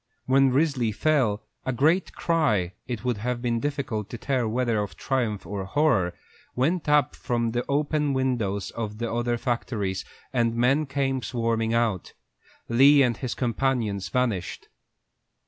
When Risley fell, a great cry, it would have been difficult to tell whether of triumph or horror, went up from the open windows of the other factories, and men came swarming out. Lee and his companions vanished.